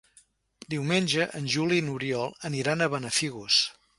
Diumenge en Juli i n'Oriol aniran a Benafigos.